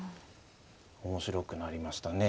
面白くなりましたね。